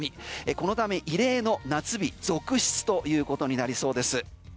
このため異例の夏日続出ということになりそうです。